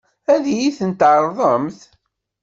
Ad iyi-tent-tɛeṛḍemt?